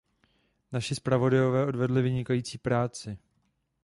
Naši zpravodajové odvedli vynikající práci.